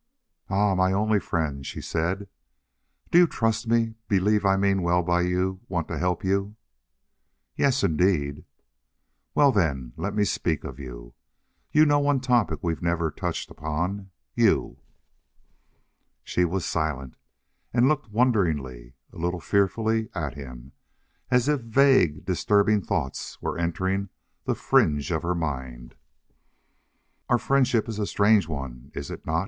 "Ah! my only friend," she said. "Do you trust me, believe I mean well by you, want to help you?" "Yes, indeed." "Well, then, let me speak of you. You know one topic we've never touched upon. You!" She was silent, and looked wonderingly, a little fearfully, at him, as if vague, disturbing thoughts were entering the fringe of her mind. "Our friendship is a strange one, is it not?"